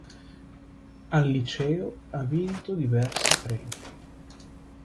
Al liceo ha vinto diversi premi.